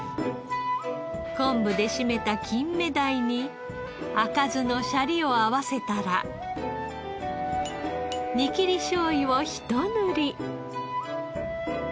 昆布で締めた金目鯛に赤酢のシャリを合わせたら煮切りしょうゆをひと塗り。